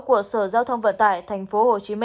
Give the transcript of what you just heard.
của sở giao thông vận tải tp hcm